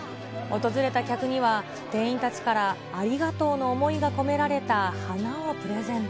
訪れた客には、店員たちから、ありがとうの思いが込められた花をプレゼント。